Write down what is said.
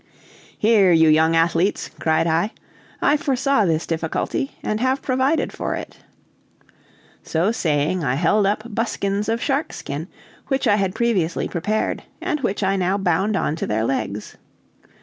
"Here, you young athletes," cried I, "I foresaw this difficulty, and have provided for it." So saying I held up buskins of shark's skin which I had previously prepared, and which I now bound on to their legs.